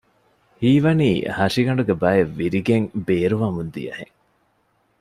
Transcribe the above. ހީވަނީ ހަށިގަނޑުގެ ބައެއް ވިރިގެން ބޭރުވަމުން ދިޔަހެން